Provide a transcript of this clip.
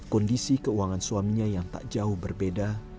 kondisi keuangan suaminya yang tak jauh berbeda